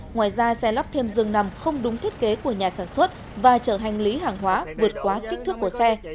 ngoài ra xe lắp thêm rừng nằm không đúng thiết kế của nhà sản xuất và chở hành lý hàng hóa vượt quá kích thước của xe